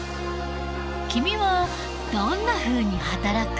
君はどんなふうに働く？